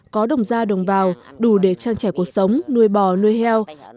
có đồng ra đồng vào đủ để trang trải cuộc sống nuôi bò nuôi heo